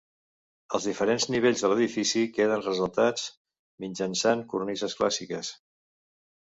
Els diferents nivells de l'edifici queden ressaltats mitjançant cornises clàssiques.